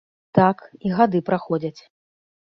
Так, і гады праходзяць.